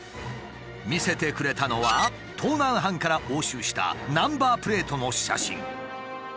見せてくれたのは盗難犯から押収したナンバープレートの写真。